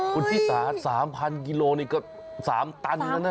คุณพี่สา๓๐๐๐กิโลกรัมก็๓ตั้น